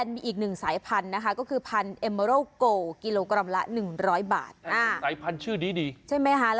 มี๔สายพันธุ์คือคิโมจิ